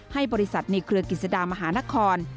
ให้บริษัทในเครือกิจสดามหานคร